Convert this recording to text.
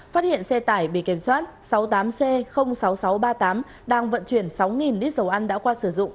phát hiện xe tải bề kiểm soát sáu mươi tám c sáu nghìn sáu trăm ba mươi tám đang vận chuyển sáu lít dầu ăn đã qua sử dụng